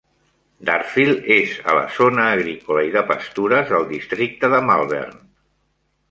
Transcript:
Darfield és a la zona agrícola i de pastures del districte de Malvern.